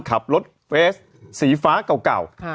ขับรถเฟสสีฟ้าเก่า